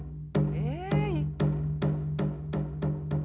え？